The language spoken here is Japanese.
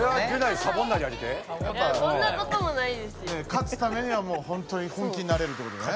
勝つためにはもうほんとに本気になれるってことね。